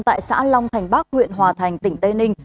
tại xã long thành bắc huyện hòa thành tỉnh tây ninh